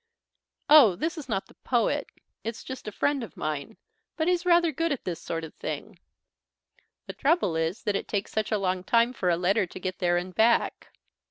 "Oh, this is not the poet, it's just a friend of mine, but he's rather good at this sort of thing. The trouble is that it takes such a long time for a letter to get there and back."